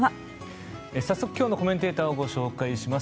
早速、今日のコメンテーターをご紹介します。